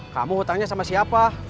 kamu hutangnya sama siapa